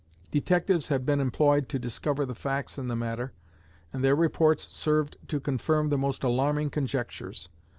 Detectives had been employed to discover the facts in the matter, and their reports served to confirm the most alarming conjectures.